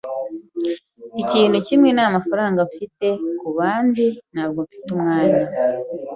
Ikintu kimwe ntamafaranga mfite; kubandi, ntabwo mfite umwanya.